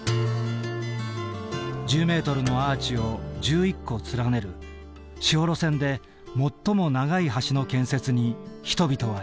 １０ｍのアーチを１１個連ねる士幌線で最も長い橋の建設に人々は挑んだ。